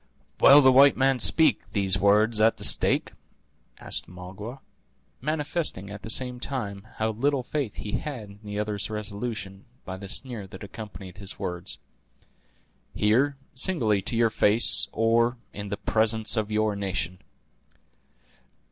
"Will the white man speak these words at the stake?" asked Magua; manifesting, at the same time, how little faith he had in the other's resolution by the sneer that accompanied his words. "Here; singly to your face, or in the presence of your nation."